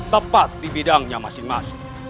tepat di bidangnya masing masing